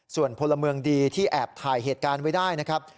ส่วนพลเมืองดีที่แอบถ่ายเหตุการณ์ไว้ได้นะครับ